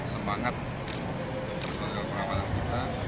semangat perusuhan dan perangkatan kita